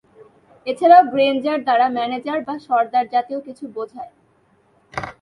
এছাড়াও গ্রেঞ্জার দ্বারা ম্যানেজার বা সর্দার জাতীয় কিছু বোঝায়।